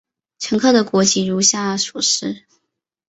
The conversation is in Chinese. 乘客的国籍如下所示。